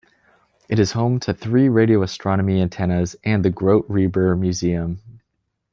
It is home to three radio astronomy antennas and the Grote Reber Museum.